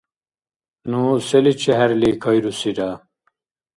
Ну селичи хӀерли кайрусира?